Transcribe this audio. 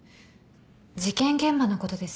事件現場のことです。